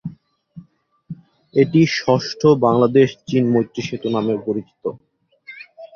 এটি ষষ্ঠ বাংলাদেশ-চীন মৈত্রী সেতু নামেও পরিচিত।